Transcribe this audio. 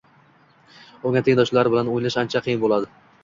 unga tengdoshlari bilan o‘ynash ancha qiyin bo‘ladi!